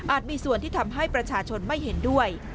มีส่วนที่ทำให้ประชาชนไม่เห็นด้วย